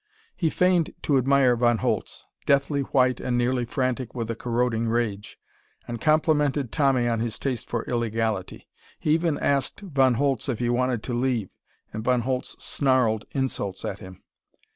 He feigned to admire Von Holtz, deathly white and nearly frantic with a corroding rage, and complimented Tommy on his taste for illegality. He even asked Von Holtz if he wanted to leave, and Von Holtz snarled insults at him.